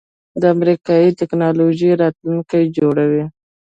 د امریکایی ټیکنالوژۍ راتلونکی جوړول